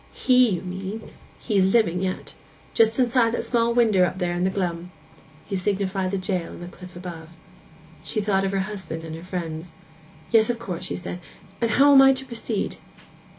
—he, you mean; he's living yet. Just inside that little small winder up there in the glum.' He signified the jail on the cliff above. She thought of her husband and her friends. 'Yes, of course,' she said; 'and how am I to proceed?